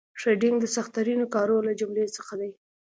ټریډینګ د سخترینو کارو له جملې څخه دي